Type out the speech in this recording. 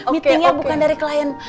meetingnya bukan dari klien